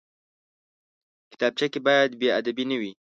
کتابچه کې باید بېادبي نه وي